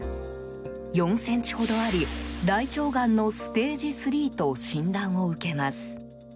４ｃｍほどあり大腸がんのステージ３と診断を受けます。